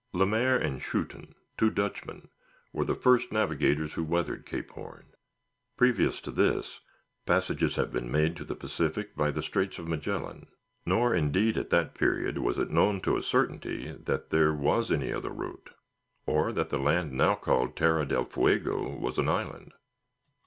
Le Mair and Schouten, two Dutchmen, were the first navigators who weathered Cape Horn. Previous to this, passages have been made to the Pacific by the Straits of Magellan; nor, indeed, at that period, was it known to a certainty that there was any other route, or that the land now called Terra del Fuego was an island.